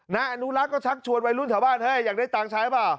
นายอนุรักษ์ก็ชักชวนวัยรุ่นแถวบ้านเฮ้ยอยากได้ตังค์ใช้เปล่า